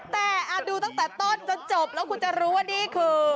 แต่ดูตั้งแต่ต้นจนจบแล้วคุณจะรู้ว่านี่คือ